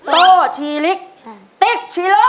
โต้ชีลิกติ๊กชีโร่